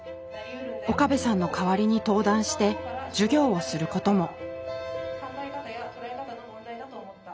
岡部さんの代わりに登壇して授業をすることも。